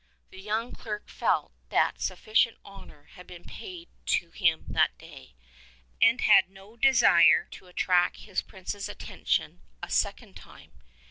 The young cleric felt that sufficient honor had been paid him that day, and had no desire to attract his prince's attention a second time.